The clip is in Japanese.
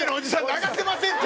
流せませんって！